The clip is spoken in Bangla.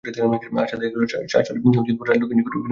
আশা দেখিল, শাশুড়ি রাজলক্ষ্মীর নিকট বিনোদিনীর কোনোপ্রকার সংকোচ নাই।